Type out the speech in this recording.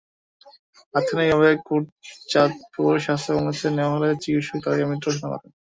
তাৎক্ষণিকভাবে কোটচাঁদপুর স্বাস্থ্য কমপ্লেক্সে নেওয়া হলে চিকিৎসকেরা তাঁকে মৃত ঘোষণা করেন।